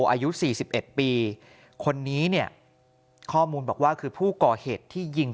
อายุ๔๑ปีคนนี้เนี่ยข้อมูลบอกว่าคือผู้ก่อเหตุที่ยิง